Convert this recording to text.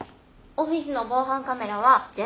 オフィスの防犯カメラは全滅でした。